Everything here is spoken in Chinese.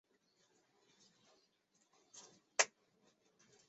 圣艾蒂安拉热内斯特。